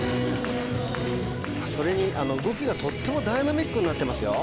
それに動きがとってもダイナミックになってますよ